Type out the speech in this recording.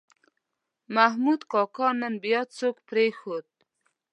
محمود کاکا نن بیا څوک پرېښود.